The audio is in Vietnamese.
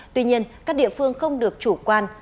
tuy nhiên các địa phương không được chủ quan